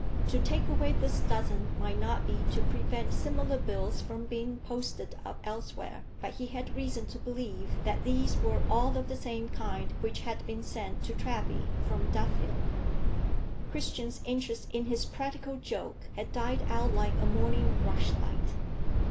To take away this dozen might not be to prevent similar bills from being posted up elsewhere, but he had reason to believe that these were all of the same kind which had been sent to Treby from Duffield. Christian's interest in his practical joke had died out like a morning rushlight.